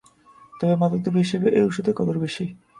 তবে মাদকদ্রব্য হিসেবেই এই ঔষধের কদর বেশি।